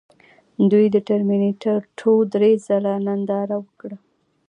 دوی د ټرمینیټر ټو درې ځله ننداره وکړه